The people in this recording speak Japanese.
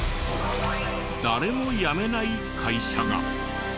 誰も辞めない会社が。